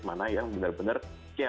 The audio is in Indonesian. mana yang benar benar care sama kita